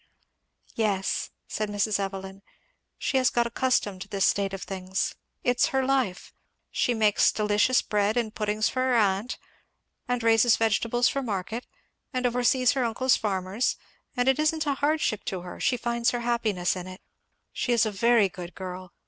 "Yes," said Mrs. Evelyn, "she has got accustomed to this state of things it's her life she makes delicious bread and puddings for her aunt, and raises vegetables for market, and oversees her uncle's farmers, and it isn't a hardship to her; she finds her happiness in it. She is a very good girl!